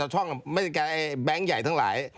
ช่องแบงค์ใหญ่ทั้งหลาย